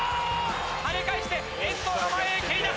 はね返して遠藤が前へ蹴り出す。